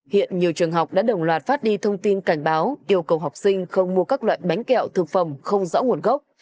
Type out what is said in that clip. hiện nhiều trường học đã đồng loạt phát đi thông tin cảnh báo yêu cầu học sinh không mua các loại bánh kẹo thực phẩm không rõ nguồn gốc